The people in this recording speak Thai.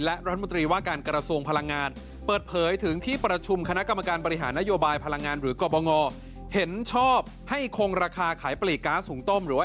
และรัฐมนตรีว่าการกรสวงพลังงาน